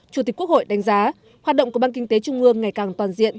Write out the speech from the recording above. chủ tịch quốc hội đánh giá hoạt động của ban kinh tế trung ương ngày càng toàn diện